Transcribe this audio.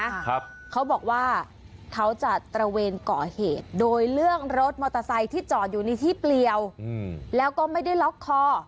ครับเขาบอกว่าเขาจะตระเวนก่อเหตุโดยเรื่องรถมอเตอร์ไซค์ที่จอดอยู่ในที่เปลี่ยวอืมแล้วก็ไม่ได้ล็อกคอ